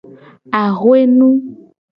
Axwe nu.